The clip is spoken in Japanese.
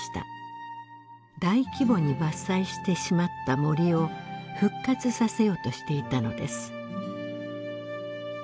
大規模に伐採してしまった森を復活させようとしていたのです。